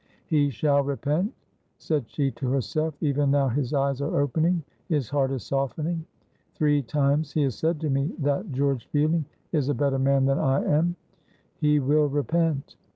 "He shall repent," said she to herself. "Even now his eyes are opening, his heart is softening. Three times he has said to me, 'That George Fielding is a better man than I am.' He will repent.